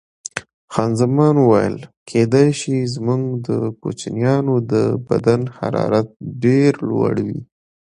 خان زمان وویل: کېدای شي، زموږ د کوچنیانو د بدن حرارت ډېر لوړ وي.